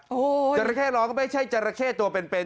โอ้โหจราเข้ร้อนก็ไม่ใช่จราเข้ตัวเป็นเป็น